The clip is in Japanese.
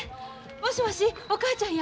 もしもしお母ちゃんや。